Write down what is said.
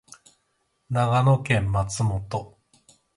長野県松本